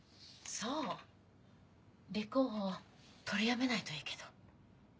そう立候補を取りやめないといいけど。